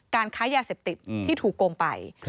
ค้ายาเสพติดที่ถูกโกงไป